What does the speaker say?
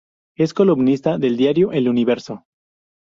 Es columnista del diario "El Universo".